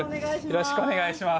よろしくお願いします。